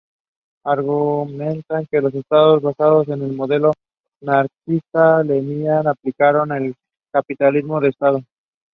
It is one of the earliest surviving works attributed to the artist.